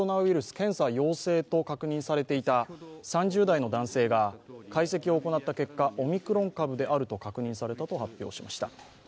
検査陽性と確認されていた３０代の男性が解析を行った結果、オミクロン株であると確認されたと発表しました。